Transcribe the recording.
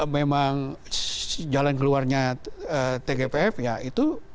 memang jalan keluarnya tgpf ya itu